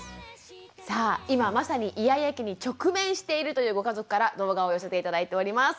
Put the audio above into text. さあ今まさにイヤイヤ期に直面しているというご家族から動画を寄せて頂いております。